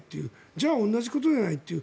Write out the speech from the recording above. じゃあ同じことじゃないという。